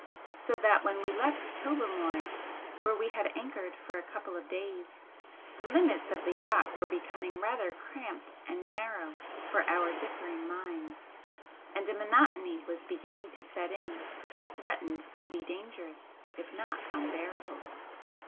So that when we left Tobermory, where we had anchored for a couple of days, the limits of the yacht were becoming rather cramped and narrow for our differing minds, and a monotony was beginning to set in that threatened to be dangerous, if not unbearable.